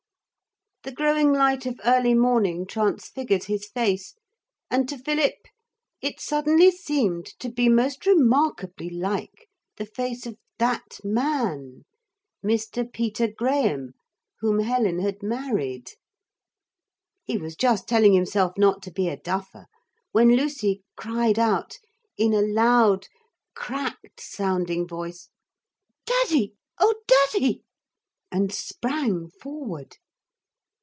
The growing light of early morning transfigured his face, and to Philip it suddenly seemed to be most remarkably like the face of That Man, Mr. Peter Graham, whom Helen had married. He was just telling himself not to be a duffer when Lucy cried out in a loud cracked sounding voice, 'Daddy, oh, Daddy!' and sprang forward.